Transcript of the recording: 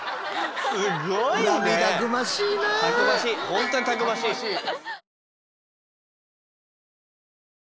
すごいね。